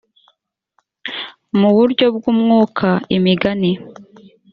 mu buryo bw umwuka imigani